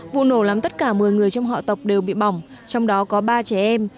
vụ nổ làm tất cả một mươi người trong họ tộc đều bị bỏng trong đó có ba trẻ em